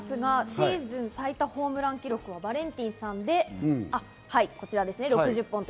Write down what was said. シーズン最多ホームラン記録をバレンティンさんで６０本です。